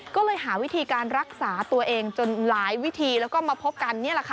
ก็เลยหาวิธีการรักษาตัวเองจนหลายวิธีแล้วก็มาพบกันนี่แหละค่ะ